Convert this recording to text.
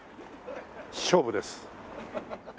勝負です。